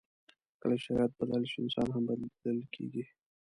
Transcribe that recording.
کله چې شرایط بدل شي، انسان هم بدل کېږي.